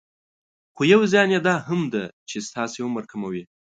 خو يو زيان يي دا هم ده چې ستاسې عمر کموي.